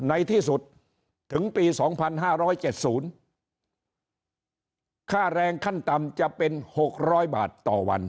ในที่สุดถึงปี๒๕๗๐ค่าแรงขั้นต่ำจะเป็น๖๐๐บาทต่อวัน